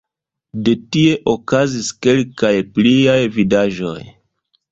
De tie okazis kelkaj pliaj vidaĵoj.